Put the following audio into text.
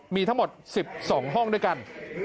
มีทั้งหมด๑๒ห้องด้วยกัน